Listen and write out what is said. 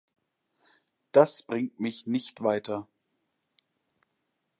Das bringt mich nicht weiter.